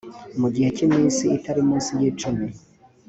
mu gihe cy iminsi itari munsi y icumi